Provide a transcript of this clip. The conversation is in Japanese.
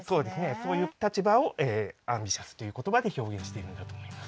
そういう立場を「アンビシャス」という言葉で表現しているんだと思います。